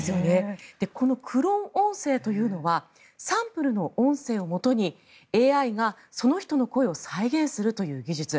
このクローン音声というのはサンプルの音声をもとにＡＩがその人の声を再現するという技術。